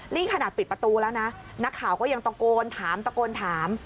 นี่ขนาดปิดประตูแล้วนะนักข่าวก็ยังตะโกนถามตะโกนถาม